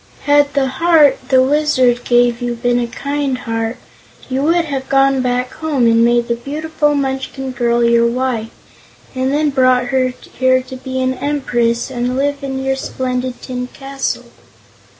Had the heart the Wizard gave you been a Kind Heart, you would have gone back home and made the beautiful Munchkin girl your wife, and then brought her here to be an Empress and live in your splendid tin castle."